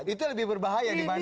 itu lebih berbahaya dibanding